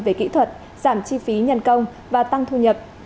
về kỹ thuật giảm chi phí nhân công và tăng thu nhập